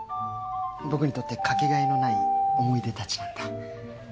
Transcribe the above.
僕にとってかけがえのない思い出たちなんだ。